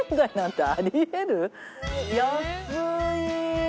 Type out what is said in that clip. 安い！